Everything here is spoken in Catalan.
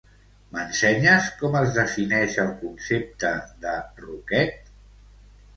M'ensenyes com es defineix el concepte de roquet?